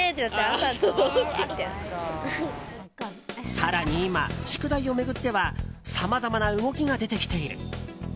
更に今、宿題を巡ってはさまざまな動きが出てきている。